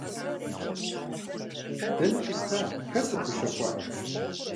Дэнэ къипха, хэт къыпхуищэхуа?!